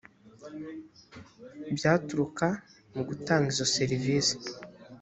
byaturuka mu gutanga izo serivisi